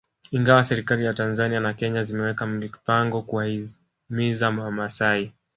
Ingawa serikali za Tanzania na Kenya zimeweka mipango kuwahimiza Wamasai